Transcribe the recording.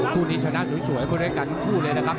คู่นี้ชนะสวยกันด้วยกันคู่เลยนะครับ